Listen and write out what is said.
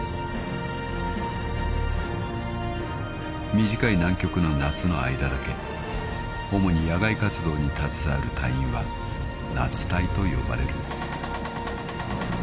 ［短い南極の夏の間だけ主に屋外活動に携わる隊員は夏隊と呼ばれる］